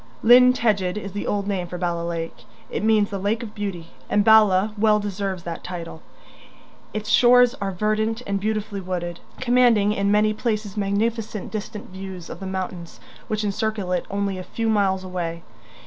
Llyn Tegid is the old name for Bala Lake; it means the lake of beauty, and Bala well deserves that title. Its shores are verdant and beautifully wooded, commanding in many places magnificent distant views of the mountains which encircle it only a few miles away.